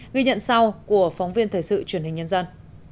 ghi nhận sau của phóng viên thời sự truyền hình nhân dân